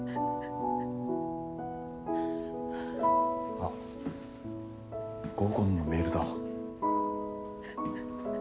あっ合コンのメールだ。